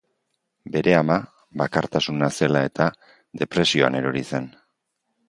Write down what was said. Bere ama, bakartasuna zela eta, depresioan erori zen.